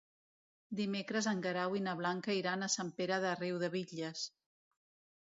Dimecres en Guerau i na Blanca iran a Sant Pere de Riudebitlles.